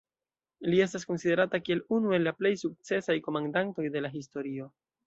Li estas konsiderata kiel unu el la plej sukcesaj komandantoj de la historio.